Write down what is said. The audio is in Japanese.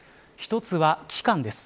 １つは期間です。